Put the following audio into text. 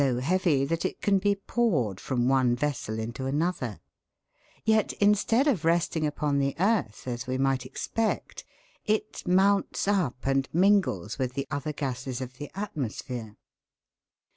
heavy that it can be poured from one vessel into another ; yet instead of resting upon the earth, as we might expect, it mounts up and mingles with the other gases of the atmo sphere.